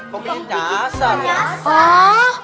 tukang pijit nyasar